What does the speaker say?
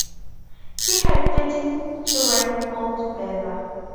He had thirteen children altogether.